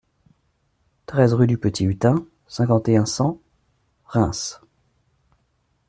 treize rue Petit Hutin, cinquante et un, cent, Reims